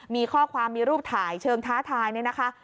มีข้อความมีรูปถ่ายเชิงท้าทายเนี่ยนะคะ